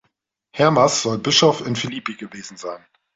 Hermas soll Bischof in Philippi gewesen sein.